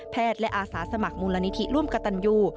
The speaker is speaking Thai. แพทย์และอาสาสมัครมูลนิธิร่วมกตันยู